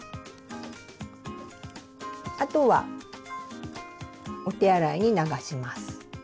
あとはお手洗いに流します。